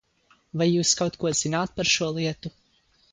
Vai jūs kaut ko zināt par šo lietu?